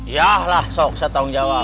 yalah sok saya tanggung jawab